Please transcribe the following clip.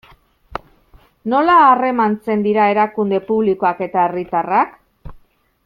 Nola harremantzen dira erakunde publikoak eta herritarrak?